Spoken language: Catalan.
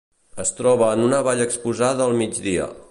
Es troba en una vall exposada al migdia.